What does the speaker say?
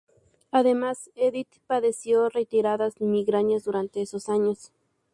Además, Edith padeció reiteradas migrañas durante esos años.